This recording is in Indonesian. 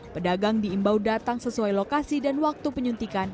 pedagang diimbau datang sesuai lokasi dan waktu penyuntikan